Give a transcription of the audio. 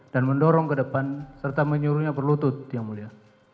dan mendorong ke depan serta menyuruhnya berlutut yang mulia